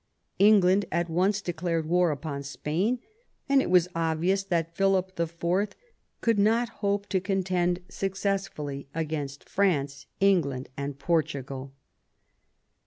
England at once declared war upon Spain, and it was obvious that Philip IV. could not hope to contend successfully against France, England, and Portugal.